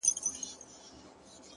د مثبت فکر ځواک خنډونه کمزوري کوي.!